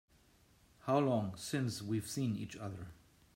How long since we've seen each other?